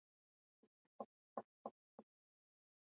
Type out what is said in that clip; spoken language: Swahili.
Wanailoti waliochanganya damu na Wakurya ni pamoja na